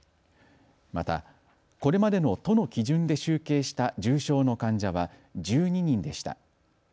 またこれまでの都の基準で集計した重症の患者は１２人でした。